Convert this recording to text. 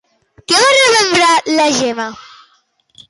Què va remembrar la Gemma?